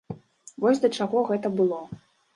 Вось да чаго гэта было.